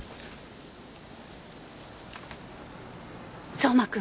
相馬君